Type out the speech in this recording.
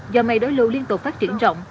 do mây đối lưu liên tục phát triển rộng